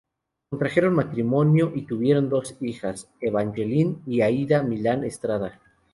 Contrajeron matrimonio y tuvieron dos hijas, Evangeline y Aida Milán Estrada.